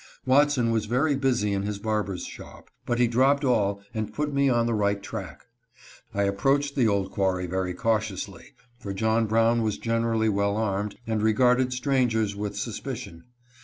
Watson was very busy in his barber's shop, but he dropped all and put me on the right track. I approached the old quarry very cautiously, for John Brown was generally well armed, and regarded strangers with suspicion.